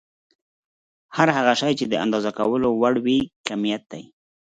هر هغه شی چې د اندازه کولو وړ وي کميت دی.